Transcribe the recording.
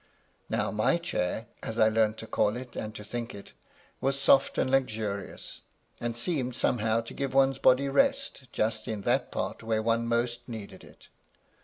Now my chair (as I learnt to call it, and to think it) was soft and luxurious, and seemed somehow to give one's body rest just in that part where one most needed it.